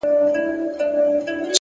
پرمختګ د نن له پرېکړو پیلېږي,